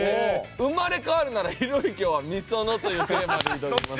「生まれ変わるならひろゆきｏｒｍｉｓｏｎｏ」というテーマで挑みます。